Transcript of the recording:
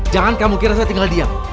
jangan kamu kira saya tinggal diam